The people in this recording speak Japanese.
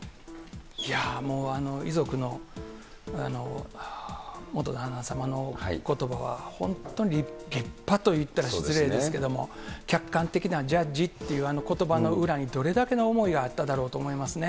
いやぁ、もう遺族の、旦那様のことばは、本当に立派といったら失礼ですけれども、客観的なジャッジっていうことばの裏に、どれだけの思いがあっただろうと思いますね。